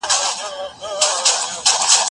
دا قلمان له هغو پاک دي؟